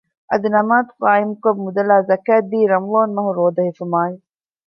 އަދި ނަމާދު ޤާއިމުކޮށް މުދަލު ޒަކާތް ދީ ރަމަޟާން މަހު ރޯދަ ހިފުުމާއި